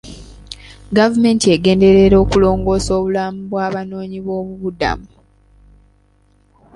Gavumenti egenderera okulongoosa obulamu bwa banoonyi b'obubuddamu.